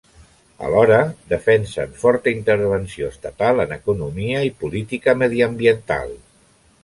Alhora, defensen forta intervenció estatal en economia i política mediambiental.